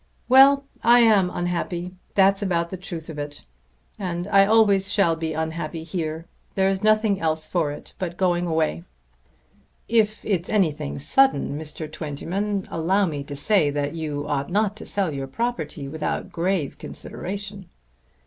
"Well; I am unhappy. That's about the truth of it. And I always shall be unhappy here. There's nothing else for it but going away." "If it's anything sudden, Mr. Twentyman, allow me to say that you ought not to sell your property without grave consideration."